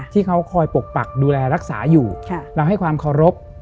ที่เขาคอยปกปักดูแลรักษาอยู่เราให้ความเคารพ